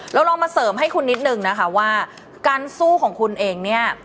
ลองมาเสริมให้คุณนิดนึงนะคะว่าการสู้ของคุณเองเนี่ย